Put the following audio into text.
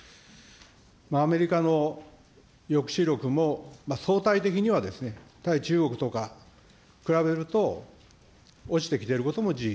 アメリカの抑止力も、相対的には対中国とか比べると、落ちてきていることも事実。